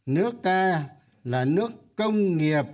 nước ta là nước công nghiệp